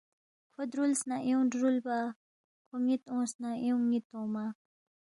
کھو دُرولس نہ ایونگ درُولبا، کھو نِ٘ت اونگس نہ ایونگ نِ٘ت اونگما